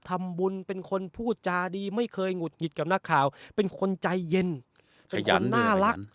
ทำบุญเป็นคนพูดจาดีไม่เคยหงุดหงิดกับนักข่าวเป็นคนใจเย็นเป็นคนน่ารัก